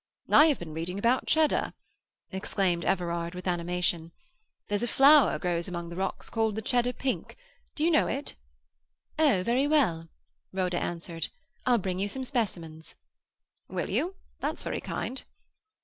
"I have been reading about Cheddar," exclaimed Everard, with animation. "There's a flower grows among the rocks called the Cheddar pink. Do you know it?" "Oh, very well," Rhoda answered. "I'll bring you some specimens." "Will you? That's very kind."